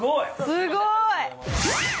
すごい！